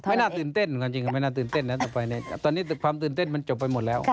ไม่ไม่ไม่น่าตื่นเต้นตอนนี้ความตื่นเต้นมันจบไปหมดแล้ว